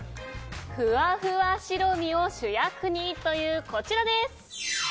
ふわふわ白身を主役にというこちらです。